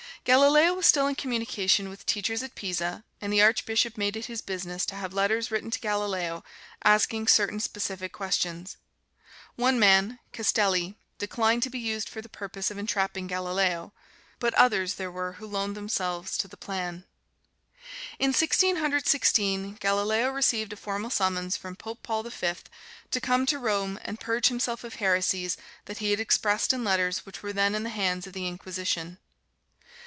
Galileo was still in communication with teachers at Pisa, and the Archbishop made it his business to have letters written to Galileo asking certain specific questions. One man, Castelli, declined to be used for the purpose of entrapping Galileo, but others there were who loaned themselves to the plan. In Sixteen Hundred Sixteen, Galileo received a formal summons from Pope Paul the Fifth to come to Rome and purge himself of heresies that he had expressed in letters which were then in the hands of the Inquisition.